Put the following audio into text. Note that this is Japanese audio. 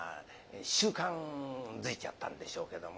習慣づいちゃったんでしょうけども。